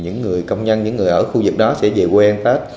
người ở khu vực đó sẽ về quê ăn tết